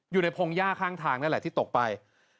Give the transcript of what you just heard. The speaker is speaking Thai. พงหญ้าข้างทางนั่นแหละที่ตกไป